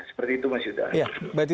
seperti itu mas yudha